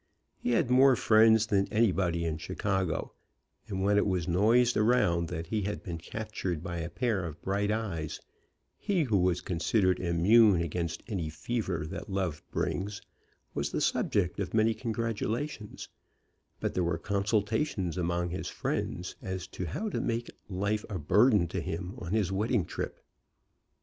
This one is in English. He had more friends than any body in Chicago, and when it was noised around that he had been captured by a pair of bright eyes, he who was considered immune against any fever that love brings, was the subject of many congratulations, but there were consultations among his friends as to how to make life a burden to him on his wedding trip.